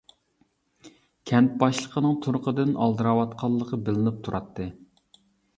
كەنت باشلىقىنىڭ تۇرقىدىن ئالدىراۋاتقانلىقى بىلىنىپ تۇراتتى.